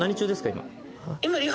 今。